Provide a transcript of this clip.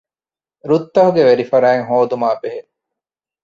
ރުއްތަކުގެ ވެރިފަރާތް ހޯދުމާބެހޭ